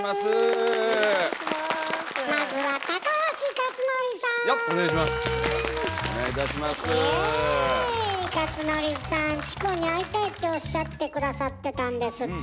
克典さんチコに会いたいっておっしゃって下さってたんですって？